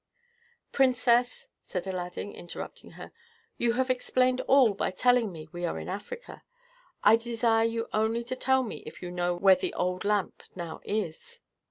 "Princess," said Aladdin, interrupting her, "you have explained all by telling me we are in Africa. I desire you only to tell me if you know where the old lamp now is."